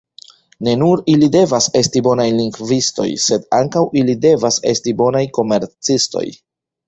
Ne nur ili devas esti bonaj lingvistoj, sed ankaŭ ili devas esti bonaj komercistoj.